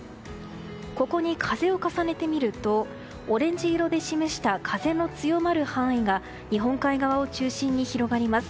ここに風を重ねてみるとオレンジ色で示した風の強まる範囲が日本海側を中心に広がります。